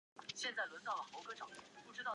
粗颈龟属是地龟科下的一个属。